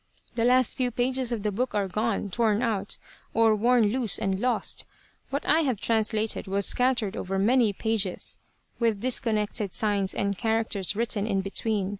"The last few pages of the book are gone, torn out, or worn loose and lost. What I have translated was scattered over many pages, with disconnected signs and characters written in between.